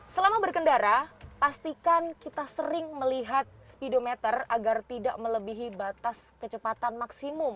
selama berkendara pastikan kita sering melihat speedometer agar tidak melebihi batas kecepatan maksimum